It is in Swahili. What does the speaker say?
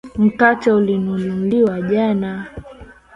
Mkate ulinunuliwa jana.